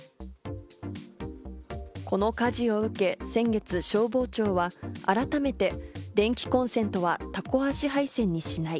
この火事を受け、先月消防庁は改めて電気コンセントはタコ足配線にしない。